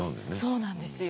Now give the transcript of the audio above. そうなんですよ。